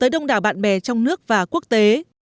đông đảo bạn bè trong nước và quốc tế